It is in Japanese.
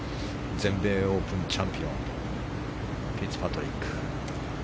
全米オープンチャンピオンフィッツパトリック。